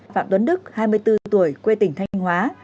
phạm tuấn đức hai mươi bốn tuổi quê tỉnh thanh hóa